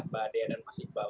mbak dea dan mas iqbal